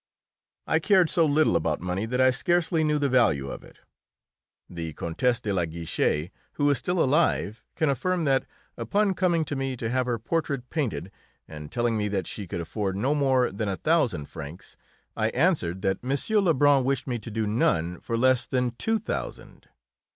I cared so little about money that I scarcely knew the value of it. The Countess de la Guiche, who is still alive, can affirm that, upon coming to me to have her portrait painted and telling me that she could afford no more than a thousand francs, I answered that M. Lebrun wished me to do none for less than two thousand.